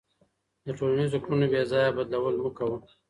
د ټولنیزو کړنو بېځایه بدلول مه کوه.